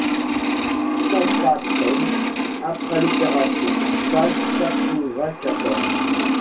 Tampa-Town, après l’opération, page quatre-vingt-quatorze.